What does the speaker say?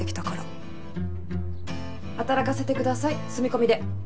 働かせてください住み込みで。